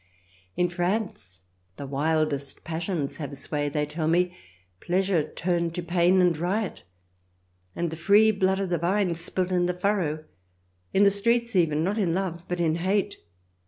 In France* the wildest passions have sway, they tell me, pleasure turned to pain and riot, and the free blood of the vine spilt in the furrow, in the streets even, not in love, but in hate.